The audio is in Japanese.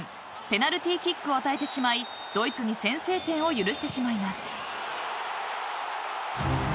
ペナルティーキックを与えてしまいドイツに先制点を許してしまいます。